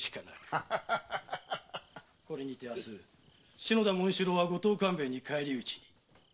これにて明日篠田紋四郎は五島勘兵衛に返り討ちに。